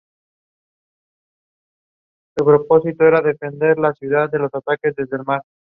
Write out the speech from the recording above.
La película tampoco fue bien recibida.